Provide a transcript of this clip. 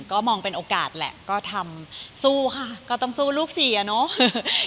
ก็มองเป็นโอกาสแหละก็ทำสู้ค่ะก็ต้องสู้ลูกสี่อ่ะเนอะ